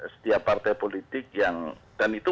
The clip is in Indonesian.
setiap partai politik yang kan itu